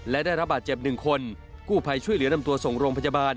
และได้รับบาดเจ็บหนึ่งคนกู้ภัยช่วยเหลือนำตัวส่งโรงพยาบาล